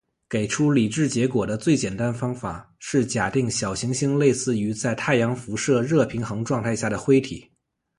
给出理智结果的最简单方法是假定小行星类似于在太阳辐射热平衡状态下的灰体。